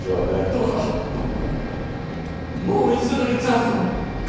どうかもう一度だけチャンスを！